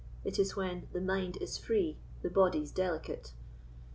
It is when "the mind is free the body's delicate."